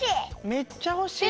めっちゃおしい？